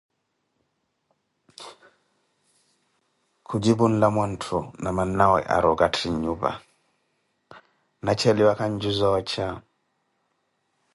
Khujipu nlamwantthu na mannawe ari okatthi nnyupa, na cheliwa kanju za oocha.